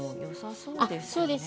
そうですね。